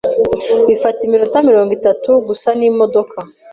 Bifata iminota mirongo itatu gusa n'imodoka.